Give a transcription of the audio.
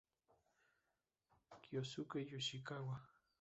Kyosuke Yoshikawa